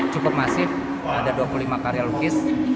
cukup masif ada dua puluh lima karya lukis